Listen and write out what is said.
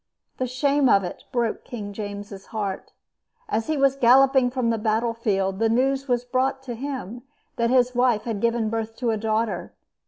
The shame of it broke King James's heart. As he was galloping from the battle field the news was brought him that his wife had given birth to a daughter.